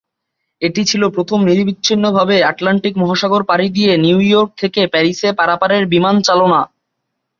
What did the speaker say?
এটি ছিল প্রথম নিরবিচ্ছিন্নভাবে আটলান্টিক মহাসাগর পাড়ি দিয়ে নিউইয়র্ক থেকে প্যারিসে পারাপারের বিমান চালনা।